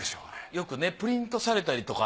よくプリントされたりとか。